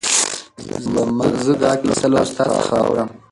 زه دا کیسه له استاد څخه اورم.